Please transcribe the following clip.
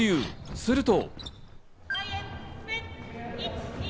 すると。